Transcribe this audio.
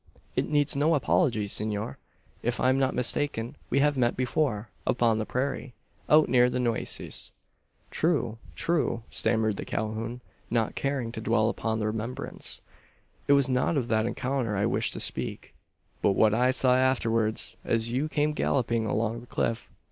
"It needs no apology, senor. If I'm not mistaken, we have met before upon the prairie, out near the Nueces." "True true!" stammered Calhoun, not caring to dwell upon the remembrance. "It was not of that encounter I wished to speak; but what I saw afterwards, as you came galloping along the cliff.